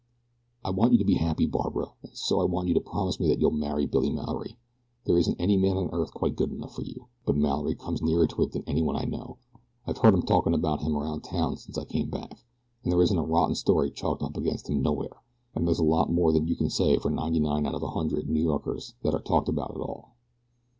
"I want you to be happy, Barbara, and so I want you to promise me that you'll marry Billy Mallory. There isn't any man on earth quite good enough for you; but Mallory comes nearer to it than anyone I know. I've heard 'em talking about him around town since I came back and there isn't a rotten story chalked up against him nowhere, and that's a lot more than you can say for ninety nine of a hundred New Yorkers that are talked about at all.